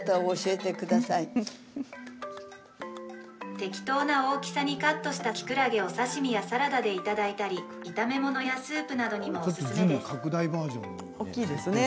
適当な大きさにカットしたきくらげを刺身やサラダでいただいたり炒め物やスープなどにもおすすめです。